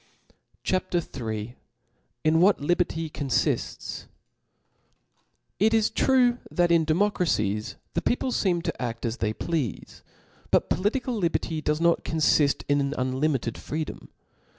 CHAP. Ill, In uibal Liberty confijis T T is true, that in democracies the people feem "P* to aft as they pleafe ; but political liberty does not confift ^n an unlimited freedom.